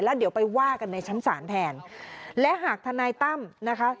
แล้วเดี๋ยวไปว่ากันในชั้นศาลแทนและหากทนายตั้มนะคะ